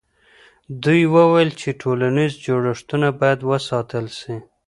دوی وویل چې ټولنیز جوړښتونه باید وساتل سي.